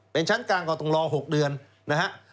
เป็นชั้นกลางก็ต้องรอ๖เดือนนะฮะ